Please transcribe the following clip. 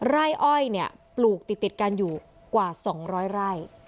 ไร่อ้อยเนี้ยปลูกติดติดกันอยู่กว่าซองร้อยไร่